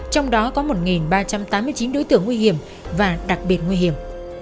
trong đó có một ba trăm tám mươi chín đối tượng nguy hiểm và đặc biệt nguy hiểm